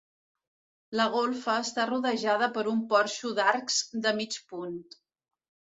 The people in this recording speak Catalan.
La golfa està rodejada per un porxo d'arcs de mig punt.